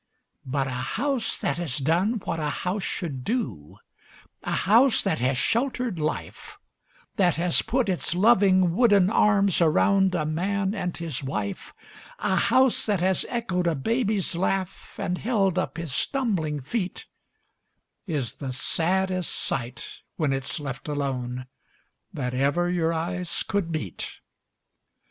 But a house that has done what a house should do, a house that has sheltered life, That has put its loving wooden arms around a man and his wife, A house that has echoed a baby's laugh and held up his stumbling feet, Is the saddest sight, when it's left alone, that ever your eyes could meet.